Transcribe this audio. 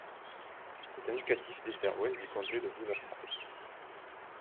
Cet indicatif dessert l'ouest du comté de Riverside.